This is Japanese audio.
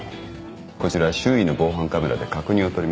こちら周囲の防犯カメラで確認を取ります。